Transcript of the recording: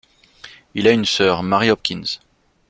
Il a une sœur Mary Hopkins.